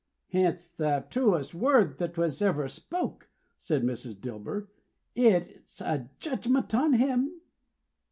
"It's the truest word that ever was spoke," said Mrs. Dilber. "It's a judgment on him."